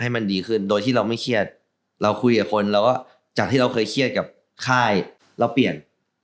ไม่เครียดกับค่ายแล้วเปลี่ยน